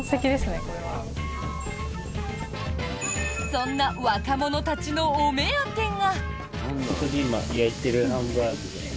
そんな若者たちのお目当てが。